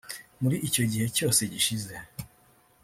muri icyo gihe cyose gishize